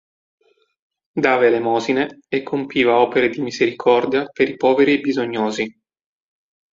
Dava elemosine e compiva opere di misericordia per i poveri e i bisognosi.